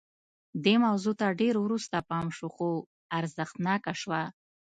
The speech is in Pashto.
دې موضوع ته ډېر وروسته پام شو خو ارزښتناکه شوه